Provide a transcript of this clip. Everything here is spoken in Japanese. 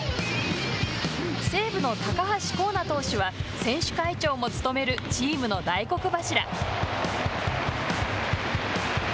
西武の高橋光成投手は選手会長も務めるチームの大黒柱。